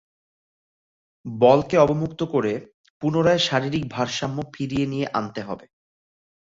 বলকে অবমুক্ত করে পুনরায় শারীরিক ভারসাম্য ফিরিয়ে নিয়ে আনতে হবে।